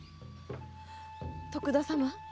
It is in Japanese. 徳田様